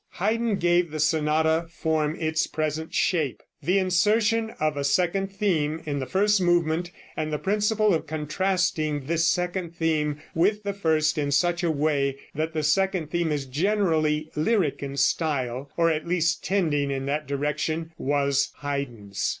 Haydn gave the sonata form its present shape. The insertion of a second theme in the first movement, and the principle of contrasting this second theme with the first in such a way that the second theme is generally lyric in style, or at least tending in that direction, was Haydn's.